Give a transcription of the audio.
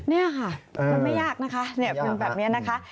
นี่ค่ะมันไม่ยากนะคะเป็นแบบนี้นะคะ